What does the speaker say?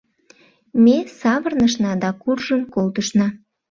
Ме савырнышна да куржын колтышна.